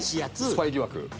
スパイ疑惑。